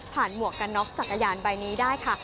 หมวกกันน็อกจักรยานใบนี้ได้ค่ะ